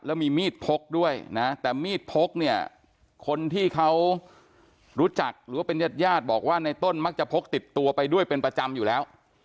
แล้วมีมีดพกด้วยนะแต่มีดพกเนี่ยคนที่เขารู้จักหรือว่าเป็นญาติญาติบอกว่าในต้นมักจะพกติดตัวไปด้วยเป็นประจำอยู่แล้ว